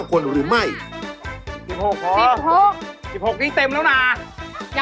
๑๖พอนี่เต็มแล้วนะยังไม่หลังกาเลยนะโอ้โฮ